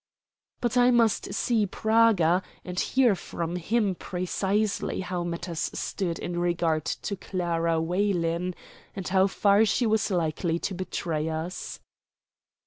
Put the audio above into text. But I must see Praga, and hear from him precisely how matters stood in regard to Clara Weylin, and how far she was likely to betray us.